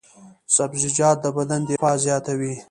سبزیجات د بدن دفاع زیاتوي.